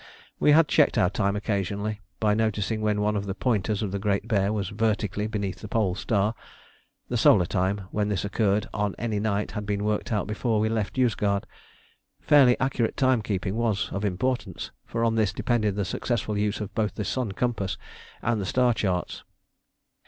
We had checked our time occasionally by noticing when one of the "pointers" of the Great Bear was vertically beneath the Pole Star; the solar time when this occurred on any night had been worked out before we left Yozgad. Fairly accurate time keeping was of importance, for on this depended the successful use of both the "sun compass" and the star charts.